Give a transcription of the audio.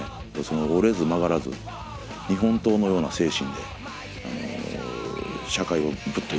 折れず曲がらず日本刀のような精神で社会をぶった斬っていってほしいですね。